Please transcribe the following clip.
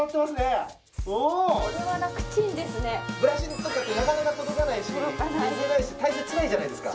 ブラシとかってなかなか届かないし見づらいし体勢つらいじゃないですか。